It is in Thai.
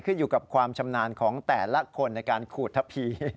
ขึ้นอยู่กับความชำนาญของแต่ละคนในการขูดทะพี